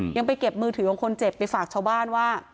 ยังไปเก็บมือถือของคนเจ็บไปฝากชาวบ้านว่า